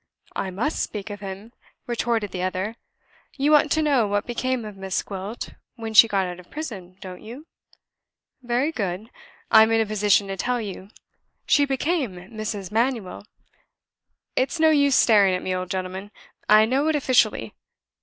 "I must speak of him," retorted the other. "You want to know what became of Miss Gwilt when she got out of prison, don't you? Very good I'm in a position to tell you. She became Mrs. Manuel. It's no use staring at me, old gentleman. I know it officially.